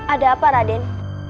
ada apa raden